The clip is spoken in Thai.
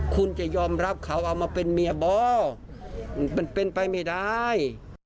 คุณจะยอมรับเขาเอามาเป็นเมียบ่มันเป็นไปไม่ได้